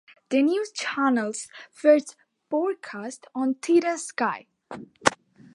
The news channel first broadcast on Tata Sky.